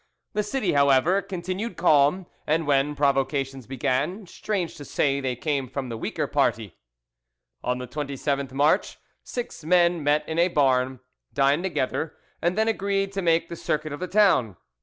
The city, however, continued calm, and when provocations began, strange to say they came from the weaker party. On the 27th March six men met in a barn; dined together, and then agreed to make the circuit of the town.